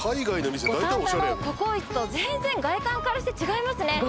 五反田のココイチと全然外観からして違いますね